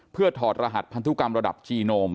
เพื่อถอดรหัสพันธุกรรมระดับจีโนม